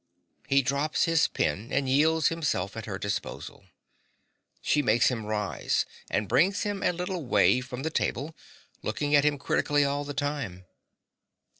(He drops his pen and yields himself at her disposal. She makes him rise and brings him a little away from the table, looking at him critically all the time.)